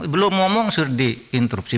belum ngomong sudah diintrupsi